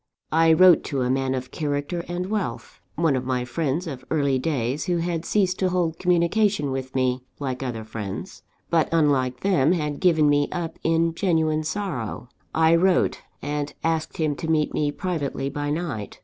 "I wrote to a man of character and wealth; one of my friends of early days, who had ceased to hold communication with me, like other friends, but, unlike them, had given me up in genuine sorrow: I wrote, and asked him to meet me privately by night.